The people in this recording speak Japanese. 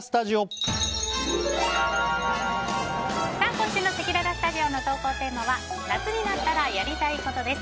今週のせきららスタジオの投稿テーマは夏になったらやりたいことです。